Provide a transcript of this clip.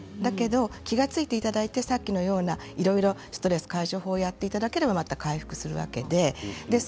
気が付いていただいていろいろなストレス解消法をやっていただけると回復するわけです。